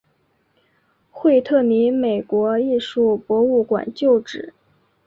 惠特尼美国艺术博物馆旧址。